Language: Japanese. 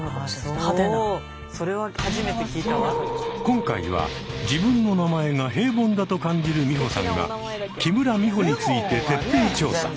今回は自分の名前が平凡だと感じる美穂さんが木村美穂について徹底調査。